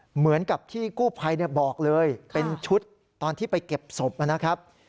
เหมือนกับที่กู้ภัยบอกเลยเป็นชุดตอนที่ไปเก็บศพนะครับ